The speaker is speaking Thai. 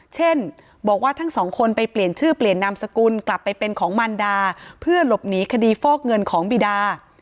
เช่นบอกว่าทั้งสองคนไปเปลี่ยนชื่อเปลี่ยนนามสกุลกลับไปเป็นของมันดาเพื่อหลบหนีคดีฟอกเงินของบีดา